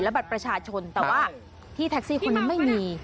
บัตรประชาชนแต่ว่าที่แท็กซี่คนนี้ไม่มี